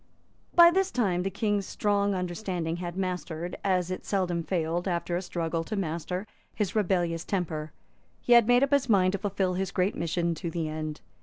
By this time the King's strong understanding had mastered, as it seldom failed, after a struggle, to master, his rebellious temper. He had made up his mind to fulfil his great mission to the end.